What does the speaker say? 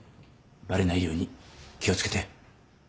バレないように気を付けて。